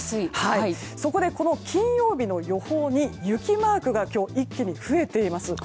そこで金曜日の予報に雪マークが今日、一気に増えています。